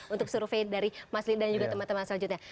untuk survei dari mas lid dan juga teman teman selanjutnya